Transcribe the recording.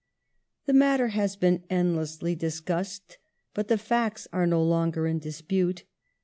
The matter has been endlessly discussed, but the facts are no longer in dispute.